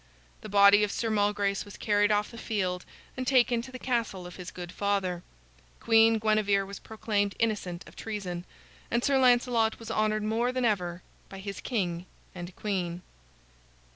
The body of Sir Malgrace was carried off the field and taken to the castle of his good father; Queen Guinevere was proclaimed innocent of treason; and Sir Lancelot was honored more than ever by his king and his queen.